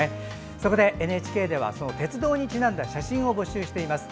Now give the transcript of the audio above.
そこでＮＨＫでは鉄道にちなんだ写真を募集しています。